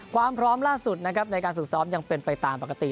ความพร้อมล่าสุดนะครับในการฝึกซ้อมยังเป็นไปตามปกติ